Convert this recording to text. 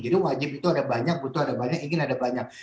jadi wajib itu ada banyak butuh ada banyak ingin ada banyak